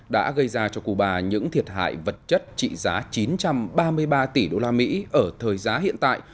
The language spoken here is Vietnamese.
đã gây ra cho cuba những thiệt hại vật chất trị giá chín trăm ba mươi ba tỷ đô la mỹ ở thời giá hiện tại